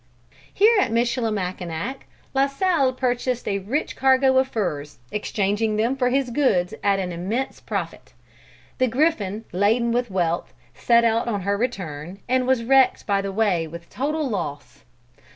Here at Michilimackinac, La Salle purchased a rich cargo of furs, exchanging for them his goods at an immense profit. The Griffin, laden with wealth, set out on her return and was wrecked by the way with total loss.